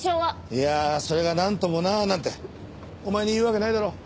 いやあそれがなんともななんてお前に言うわけないだろう。